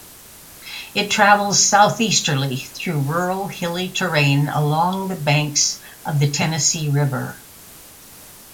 It travels southeasterly through rural hilly terrain along the banks of the Tennessee River.